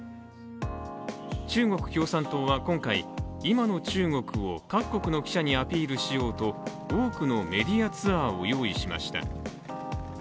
中国共産党は今回、今の中国を各国の記者にアピールしようと多くのメディアツアーを用意しました。